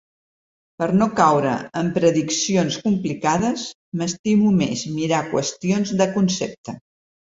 Per no caure en prediccions complicades, m’estimo més mirar qüestions de concepte.